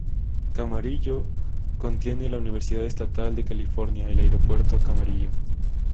Camarillo contiene la Universidad Estatal de California, el Aeropuerto Camarillo.